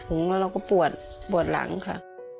งแล้วเราก็ปวดปวดหลังค่ะ